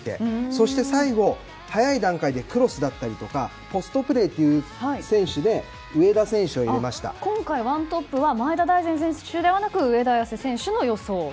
そして、最後早い段階でクロスだったりポストプレーという選手で今回、１トップは前田大然選手ではなくて上田選手の予想と。